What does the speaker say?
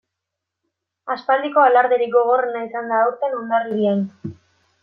Aspaldiko alarderik gogorrena izan da aurten Hondarribian.